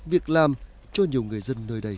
việc làm cho nhiều người dân nơi đây